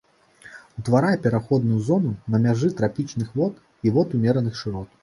Утварае пераходную зону на мяжы трапічных вод і вод умераных шырот.